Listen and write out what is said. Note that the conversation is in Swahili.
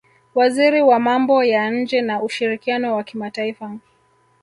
waziri wa mambo ya nje na ushirikiano wa kimataifa